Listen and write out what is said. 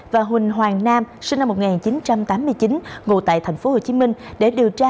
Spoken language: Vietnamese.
và huỳnh hoàng nam sinh năm một nghìn chín trăm tám mươi chín ngụ tại tp hcm để điều tra